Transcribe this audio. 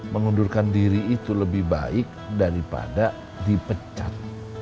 mengundurkan diri itu lebih baik daripada dipecat